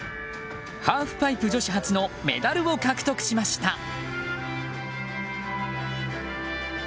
ハーフパイプ女子初のメダルを獲得しました。